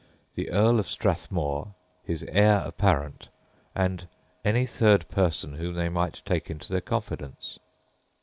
_ the Earl of Strathmore, his heir apparent, and any third person whom they might take into their confidence.